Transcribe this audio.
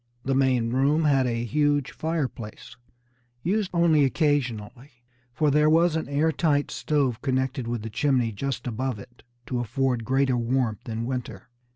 The main room had a huge fireplace, used only occasionally, for there was an air tight stove connected with the chimney just above it, to afford greater warmth in winter.